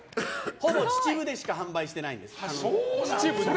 ほぼ秩父でしか販売してないんです。